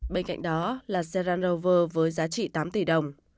bên cạnh đó là xe range rover với giá trị tám tỷ đồng